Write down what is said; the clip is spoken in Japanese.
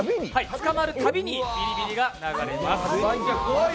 捕まるたびにビリビリが流れます。